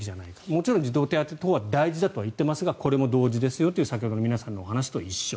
もちろん児童手当は大事だとは言っていますがこれも同時ですよという先ほどの皆さんのお話と一緒。